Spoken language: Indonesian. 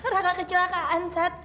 raka kecelakaan sat